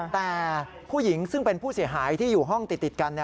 แต่ผู้หญิงซึ่งเป็นผู้เสียหายที่อยู่ห้องติดกัน